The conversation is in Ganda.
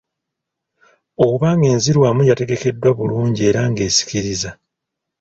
Oba ng’enzirwamu yategekeddwa bulungi era ng’esikiriza